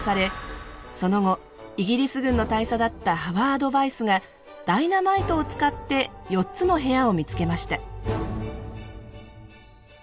その後イギリス軍の大佐だったハワード・ヴァイスがダイナマイトを使って４つの部屋を見つけました。